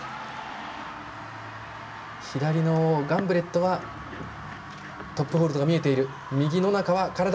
左のガンブレットはトップホールドが見えている。